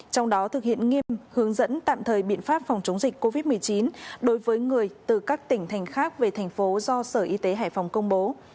trong đó thực hiện nghiêm hướng dẫn tạm thời biện pháp phòng chống dịch covid một mươi chín đối với người từ các tỉnh thành khác về thành phố do sở y tế hải phòng công bố